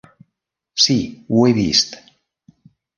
Sí, ho he vist.